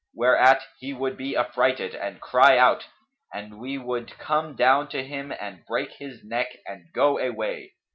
Whereat he would be affrighted and cry out, and we would come down to him and break his neck and go away.